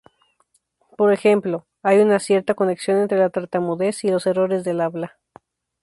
Por ejemplo, hay una cierta conexión entre la tartamudez y los errores del habla.